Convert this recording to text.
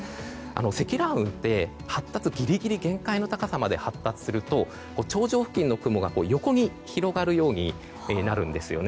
積乱雲って発達ギリギリ限界の高さまで発達すると頂上付近の雲が横に広がるんです。